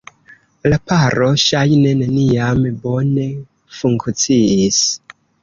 La paro ŝajne neniam bone funkciis.